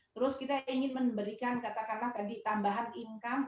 terus kita ingin memberikan katakanlah tadi tambahan income